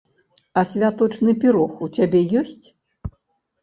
А святочны пірог у цябе ёсць?